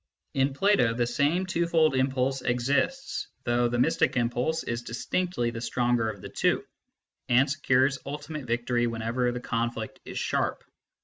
In Plato, the same twofold impulse exists, though the mystic impulse is distinctly the stronger of the two, and secures ultimate victory whenever the conflict is sharp.